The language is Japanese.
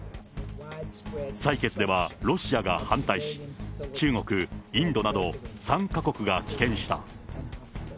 採決ではロシアが反対し、中国、インドなど、３か国が棄権した。